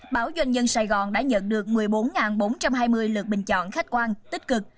báo doanh nhân sài gòn đã nhận được một mươi bốn bốn trăm hai mươi lượt bình chọn khách quan tích cực